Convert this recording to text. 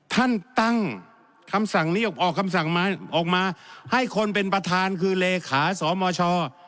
ท่านตั้งคำสั่งนี้ออกมาให้คนเป็นประธานคือเลขาสอบอชอ